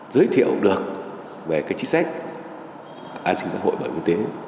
giới thiệu được về trí sách an sinh xã hội bởi quân tế